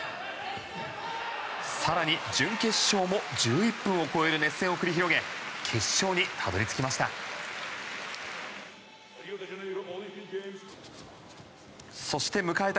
更に準決勝も１１分を超える熱戦を繰り広げ決勝にたどり着きました。